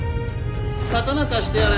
刀貸してやれ。